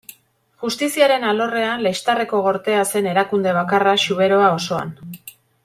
Justiziaren alorrean, Lextarreko Gortea zen erakunde bakarra Zuberoa osoan.